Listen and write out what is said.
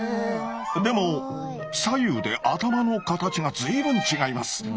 でも左右で頭の形が随分違います。